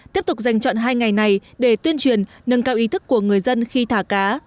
tiếp tục dành chọn hai ngày này để tuyên truyền nâng cao ý thức của người dân khi thả cá